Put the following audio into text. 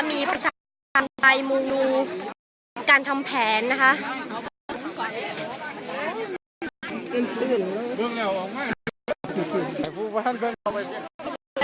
มีประชาภัณฑ์ปลายมูลการทำแผนนะคะ